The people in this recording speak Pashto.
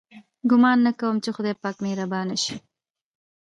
ګومان نه کوم چې خدای پاک مهربانه شي.